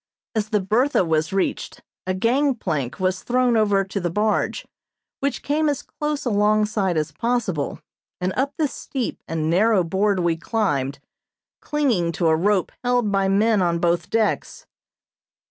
As the "Bertha" was reached, a gangplank was thrown over to the barge, which came as close alongside as possible, and up this steep and narrow board we climbed, clinging to a rope held by men on both decks.